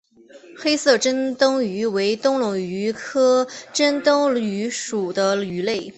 黑色珍灯鱼为灯笼鱼科珍灯鱼属的鱼类。